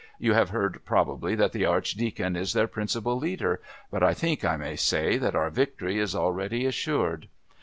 You have heard probably that the Archdeacon is their principal leader, but I think I may say that our victory is already assured.